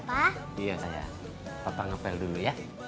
ada gajah di padem papa tuh